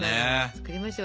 作りましょう。